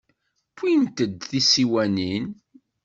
Wwint-d tisiwanin.